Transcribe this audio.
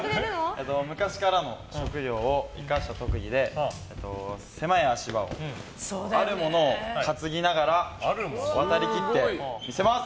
昔からの職業を生かした特技で狭い足場をあるものを担ぎながら渡りきって見せます。